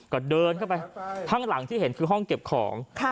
ก็เดินเข้าไปข้างหลังที่เห็นคือห้องเก็บของ